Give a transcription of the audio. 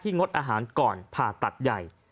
งดอาหารก่อนผ่าตัดใหญ่